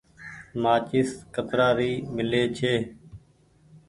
مآچيس ڪترآ ري ميلي ڇي۔